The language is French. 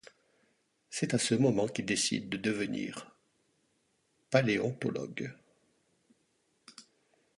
C'est à ce moment qu'il décide de devenir paléontologue.